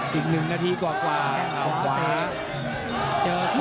ต้องถามสัจใจน้อย